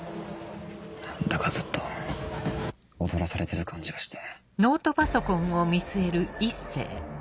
何だかずっと踊らされてる感じがして。